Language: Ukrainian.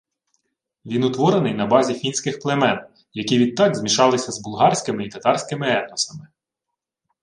Він утворений на базі фінських племен, які відтак змішалися з булгарським і татарським етносами